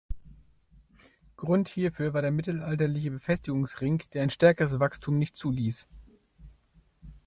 Grund hierfür war der mittelalterliche Befestigungsring, der ein stärkeres Wachstum nicht zuließ.